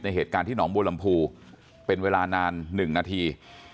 ในเกิดที่หนองบดลำพูเป็นเวลานาน๑นาที